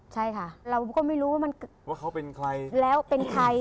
ใช่ค่ะเราก็ไม่รู้ว่าเพราะเป็นใคร